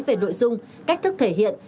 về nội dung cách thức thể hiện